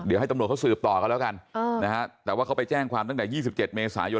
เดี๋ยวให้ตำรวจเขาสืบต่อกันแล้วกันนะฮะแต่ว่าเขาไปแจ้งความตั้งแต่๒๗เมษายน